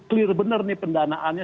clear bener nih pendanaannya